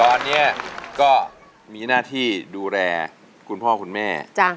ตอนนี้ก็มีหน้าที่ดูแลคุณพ่อคุณแม่